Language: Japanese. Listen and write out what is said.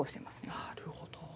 なるほど。